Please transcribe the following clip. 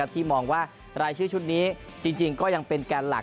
ที่มองว่ารายชื่อชุดนี้จริงก็ยังเป็นแกนหลัก